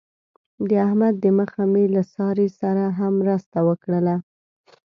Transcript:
د احمد د مخه مې له سارې سره هم مرسته وکړله.